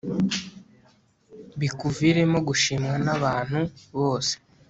bikuviremo gushimwa n'abantu bose